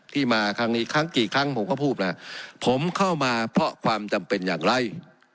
มาครั้งนี้ครั้งกี่ครั้งผมก็พูดนะผมเข้ามาเพราะความจำเป็นอย่างไร